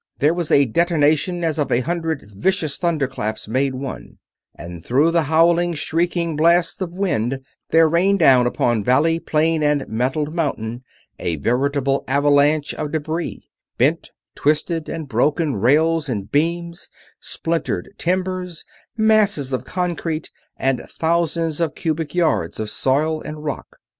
There was a detonation as of a hundred vicious thunderclaps made one, and through the howling, shrieking blasts of wind there rained down upon valley, plain, and metaled mountain a veritable avalanche of debris; bent, twisted, and broken rails and beams, splintered timbers, masses of concrete, and thousands of cubic yards of soil and rock.